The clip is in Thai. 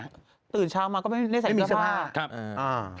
สู่ดีต้อนตื่นเช้ามาก็ไม่เลยใส่ผ้า